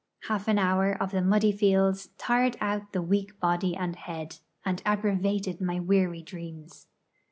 Half an hour of the muddy fields tired out the weak body and head, and aggravated my weary dreams.